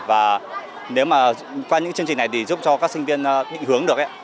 và nếu mà qua những chương trình này thì giúp cho các sinh viên định hướng được